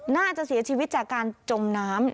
น่าจะเสียชีวิตจากการจมน้ำ